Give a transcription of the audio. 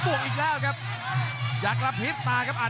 อบวกอีกแล้วครับอยากกระพริบตาครับ